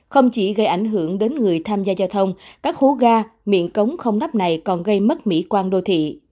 không chỉ gây ảnh hưởng đến người tham gia giao thông các hố ga miệng cống không nắp này còn gây mất mỹ quan đô thị